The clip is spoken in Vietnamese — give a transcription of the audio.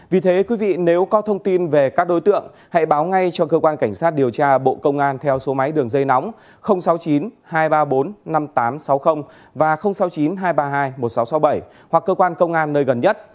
vì thế quý vị nếu có thông tin về các đối tượng hãy báo ngay cho cơ quan cảnh sát điều tra bộ công an theo số máy đường dây nóng sáu mươi chín hai trăm ba mươi bốn năm nghìn tám trăm sáu mươi và sáu mươi chín hai trăm ba mươi hai một nghìn sáu trăm sáu mươi bảy hoặc cơ quan công an nơi gần nhất